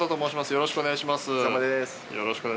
よろしくお願いします。